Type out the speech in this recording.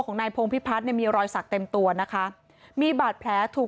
นายพงพิพัฒน์เนี่ยมีรอยสักเต็มตัวนะคะมีบาดแผลถูก